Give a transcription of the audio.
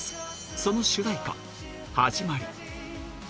その主題歌、はじまり。